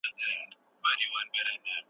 د ساحې څېړنه به موږ ته نوي معلومات راکړي.